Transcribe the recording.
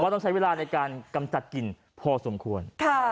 ต้องใช้เวลาในการกำจัดกลิ่นพอสมควร